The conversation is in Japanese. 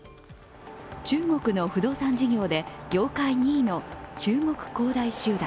中国の不動産事業で業界２位の中国恒大集団。